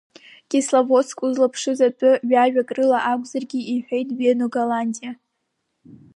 Кисловодск узлаԥшыз атәы, ҩажәак рыла акәзаргьы, – иҳәеит Бено Галантиа.